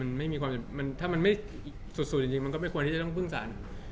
ถ้ามันไม่สุดจริงก็ไม่ควรที่จะต้องเพิ่งสัญ